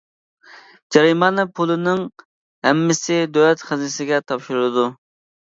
جەرىمانە پۇلىنىڭ ھەممىسى دۆلەت خەزىنىسىگە تاپشۇرۇلىدۇ.